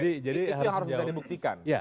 itu yang harus bisa dibuktikan